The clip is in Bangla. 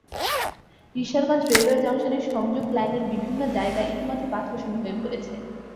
ঈশ্বরগঞ্জ রেলওয়ে জংশনের সংযোগ লাইনের বিভিন্ন জায়গা ইতিমধ্যে পাথরশূন্য হয়ে পড়েছে।